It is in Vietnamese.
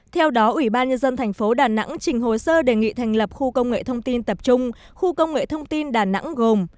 theo đó ủy ban nhân dân thành phố đà nẵng trình hồ sơ đề nghị thành lập khu công nghệ thông tin tập trung khu công nghệ thông tin đà nẵng gồm